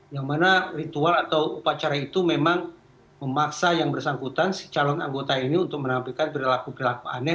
yang mana ritual atau upacara itu memang memaksa yang bersangkutan si calon anggota ini untuk menampilkan berlaku berlaku aneh